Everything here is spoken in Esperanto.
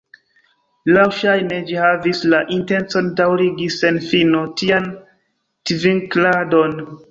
Laŭŝajne ĝi havis la intencon daŭrigi sen fino tian tvink'ladon.